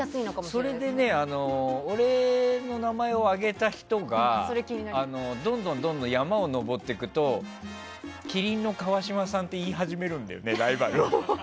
それでね俺の名前を挙げた人がどんどん山を登っていくと麒麟の川島さんって言い始めるんだよね、ライバル。